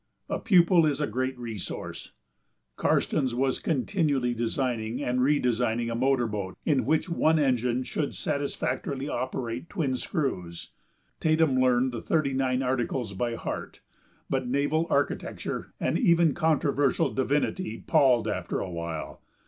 A pupil is a great resource. Karstens was continually designing and redesigning a motor boat in which one engine should satisfactorily operate twin screws; Tatum learned the thirty nine articles by heart; but naval architecture and even controversial divinity palled after a while.